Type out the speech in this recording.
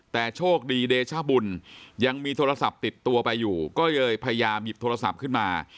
แต่โชคดีเดชบุญยังมีโทรศัพท์ติดตัวไปอยู่ก็เลยพยายามหยิบโทรศัพท์ขึ้นมา